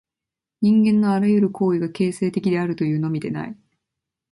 人間のあらゆる行為が形成的であるというのみでない。